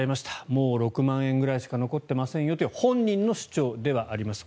もう６万円くらいしか残っていませんよという本人の主張ではあります。